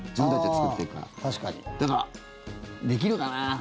だからできるかな？